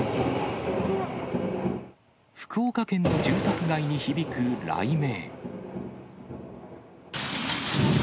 福岡県の住宅街に響く雷鳴。